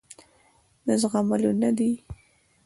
د زغملو نه دي.